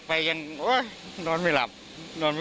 ก็เบิร์นมันก็วิ่งออกมานี่